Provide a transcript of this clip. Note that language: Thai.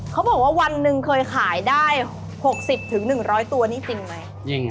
เขาบอกว่าวันหนึ่งเคยขายได้๖๐๑๐๐ตัวนี่จริงไหม